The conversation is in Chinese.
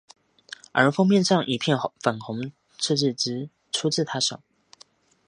而封面上一片粉红设计即出自她手。